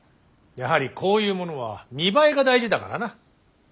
やはりこういうものは見栄えが大事だからな。